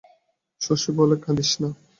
শশী বলে, কাঁদিস না।